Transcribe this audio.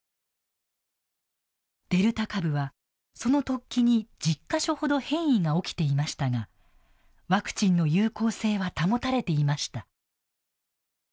デルタ株はその突起に１０か所ほど変異が起きていましたがワクチンの有効性は保たれていました。